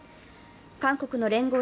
韓国の聯合